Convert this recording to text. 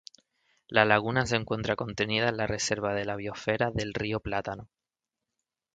La laguna se encuentra contenida en la reserva de la biósfera del Río Plátano.